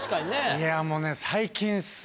いやもうね。